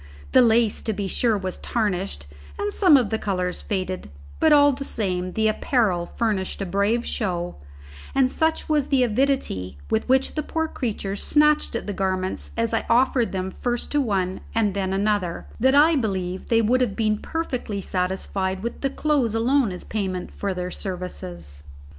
The lace, to be sure, was tarnished, and some of the colours faded, but all the same the apparel furnished a brave show; and such was the avidity with which the poor creatures snatched at the garments as I offered them first to one and then another, that I believe they would have been perfectly satisfied with the clothes alone as payment for their services.